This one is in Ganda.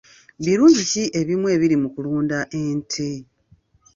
Birungi ki ebimu ebiri mu kulunda ente?